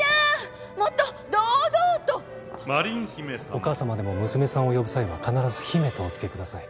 お母さまでも娘さんを呼ぶ際は必ず「姫」とお付けください。